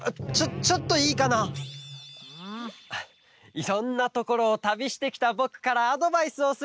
いろんなところをたびしてきたぼくからアドバイスをすると。